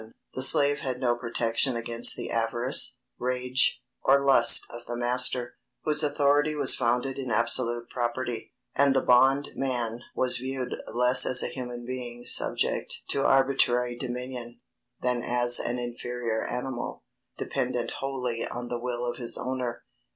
_The slave had no protection against the avarice, rage, or lust of the master, whose authority was founded in absolute property; and the bondman was viewed less as a human being subject to arbitrary dominion, than as an inferior animal, dependent wholly on the will of his owner.